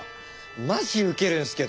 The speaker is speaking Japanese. マジウケるんすけど。